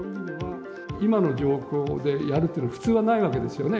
今の状況でやるっていうのは、普通はないわけですよね。